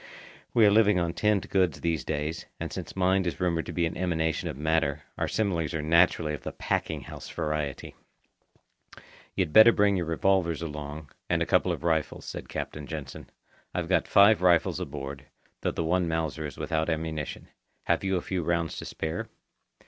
(We are living on tinned goods these days, and since mind is rumoured to be an emanation of matter, our similes are naturally of the packing house variety.) "You'd better bring your revolvers along, and a couple of rifles," said Captain Jansen. "I've got five rifles aboard, though the one Mauser is without ammunition. Have you a few rounds to spare?"